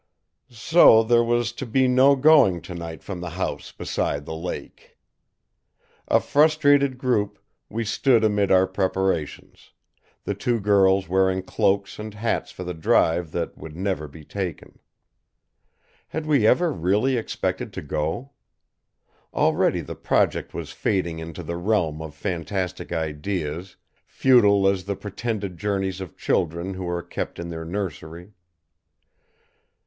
So there was to be no going tonight from the house beside the lake. A frustrated group, we stood amid our preparations; the two girls wearing cloaks and hats for the drive that would never be taken. Had we ever really expected to go? Already the project was fading into the realm of fantastic ideas, futile as the pretended journeys of children who are kept in their nursery.